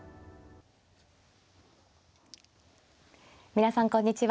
皆さんこんにちは。